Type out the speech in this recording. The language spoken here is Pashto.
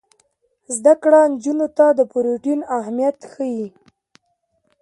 زده کړه نجونو ته د پروټین اهمیت ښيي.